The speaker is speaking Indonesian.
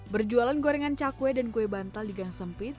berjualan gorengan cakwe dan kue bantal di gang sempit